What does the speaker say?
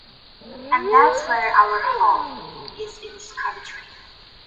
And that's where our hope is in this country.